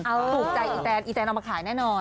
เอาถูกใจอีแตนอีแตนเอามาขายแน่นอน